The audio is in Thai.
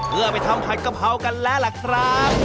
เพื่อไปทำผัดกะเพรากันแล้วล่ะครับ